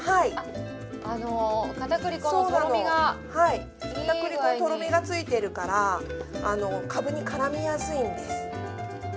かたくり粉のとろみが片栗粉のとろみがついているからかぶに絡みやすいんです。